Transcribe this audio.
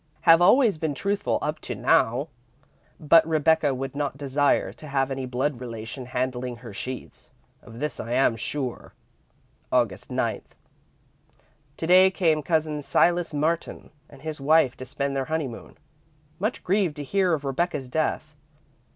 Have always been truthful up to now, but Rebecca would not desire to have any blood relation handling her sheets. Of this I am sure. "Aug. 9. To day came Cousin Silas Martin and his wife to spend their honeymoon. Much grieved to hear of Rebecca's death.